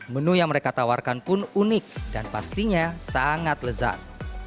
menu yang mereka tawarkan pun unik dan pastinya sangat lezat